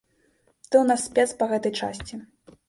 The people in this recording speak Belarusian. Ты ў нас спец па гэтай часці.